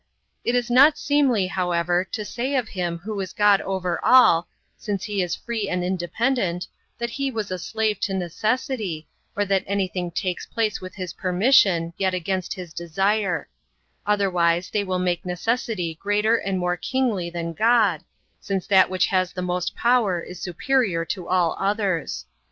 It is not seemly, however, to say of Him \y1io is God over all, since He is free and independent, that He was a slave to necessity, or that anything takes place with His permission, yet against His desire ; otherwise they will make necessity greater and more kingly than God, since that which has the most power is superior^ to all [others].